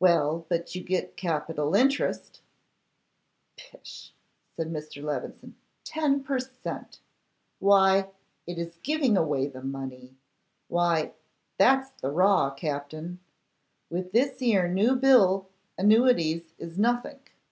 'Well, but you get capital interest?' 'Pish!' said Mr. Levison; 'ten per cent.! Why! it is giving away the money. Why! that's the raw, Captin. With this here new bill annuities is nothink.